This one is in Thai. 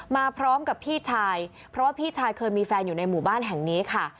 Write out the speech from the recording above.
มาพร้อมกับพี่ชายเพราะว่าพี่ชายเคยมีแฟนอยู่ในหมู่บ้านแห่งนี้ค่ะ